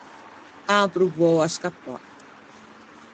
An provou à scappâ.